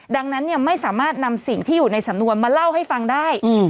ดังนั้นไม่สามารถนำสิ่งที่อยู่ในสำนวนมาเล่าให้ฟังได้